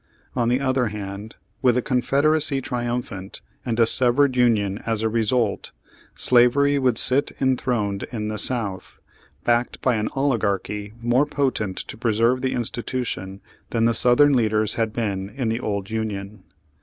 On the other hand v/ith the Confederacy triumphant, and a severed Union as a result, slavery would sit en throned in the South, backed by an oligarchy more potent to preserve the institution than the south em leaders had been in the old Union.